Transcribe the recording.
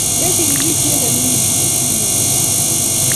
yai chikilisiet nee nin asinyoru imanda